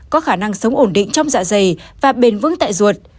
có khả năng sống ổn định trong dạ dày và bền vững tại ruột